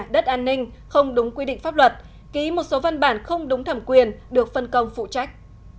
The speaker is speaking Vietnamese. đất an ninh không đúng quy định pháp luật ký một số văn bản không đúng thẩm quyền được phân công phụ trách